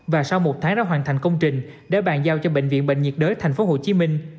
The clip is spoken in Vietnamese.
và sau một tháng đã hoàn thành công trình để bàn giao cho bệnh viện bệnh nhiệt đới tp hcm